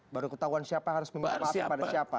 baru ketahuan siapa harus meminta maaf kepada siapa